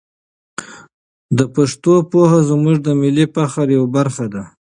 د پښتو پوهه زموږ د ملي فخر یوه برخه ده.